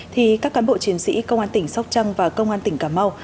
thì các cán bộ chiến sĩ công an tỉnh sóc trăng và công an tỉnh cà mau